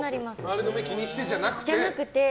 周りの目を気にしてじゃなくて？